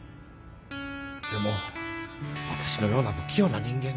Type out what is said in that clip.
でも私のような不器用な人間が